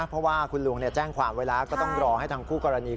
เพราะว่าคุณลุงแจ้งความไว้แล้วก็ต้องรอให้ทางคู่กรณี